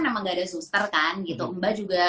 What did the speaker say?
memang nggak ada suster kan gitu mbak juga